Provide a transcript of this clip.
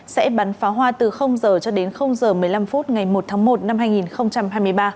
sẽ bắn phá hoa từ giờ cho đến giờ một mươi năm phút ngày một tháng một năm hai nghìn hai mươi ba